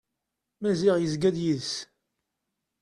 Maziɣ yezga d yid-s.